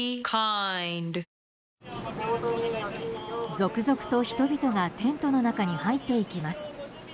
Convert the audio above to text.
続々と人々がテントの中に入っていきます。